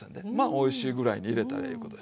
おいしいぐらいに入れたらええいうことでしょ。